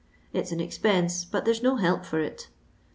It 's an expense, but there *s no help for it."